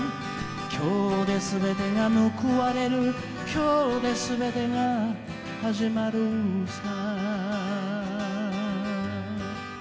「今日ですべてがむくわれる今日ですべてが始まるさ」